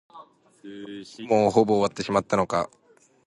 もうほぼ終わってしまったのか。